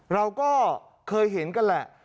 เราก็เคยเห็นกันแหละ